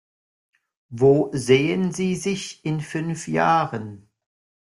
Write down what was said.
Wo sehen Sie sich in fünf Jahren?